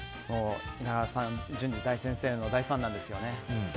稲川淳二大先生の大ファンなんですよね。